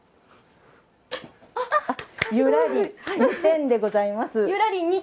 ゆらり、２点でございます。